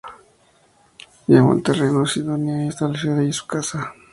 Llamó al terreno “La Sidonia" y estableció allí su casa.